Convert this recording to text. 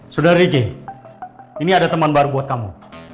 sudar riki ini ada teman baru buat kamu